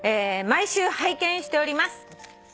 「毎週拝見しております」